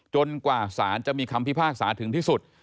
กว่าสารจะมีคำพิพากษาถึงที่สุด